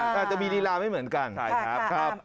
น่าจะมีรีลาไม่เหมือนกันครับครับครับครับครับครับ